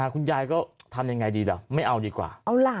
คุณยายก็ทำยังไงดีล่ะไม่เอาดีกว่า